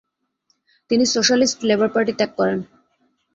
তিনি Socialist Labour Party ত্যাগ করেন।